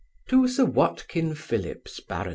To Sir WATKIN PHILLIPS, Bart.